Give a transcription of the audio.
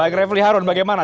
baik revli harun bagaimana